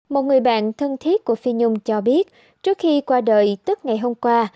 một người bạn thân thiết của phi nhung cho biết trước khi qua đời tức ngày hôm qua